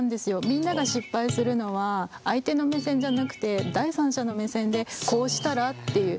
みんなが失敗するのは相手の目線じゃなくて第三者の目線でこうしたらっていう。